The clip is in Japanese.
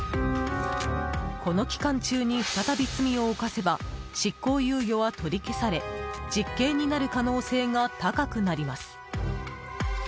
この期間中に再び罪を犯せば執行猶予は取り消され実刑になる可能性が高くなります。